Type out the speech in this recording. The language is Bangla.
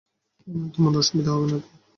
এবার তোমার অসুবিধা হবে না তো?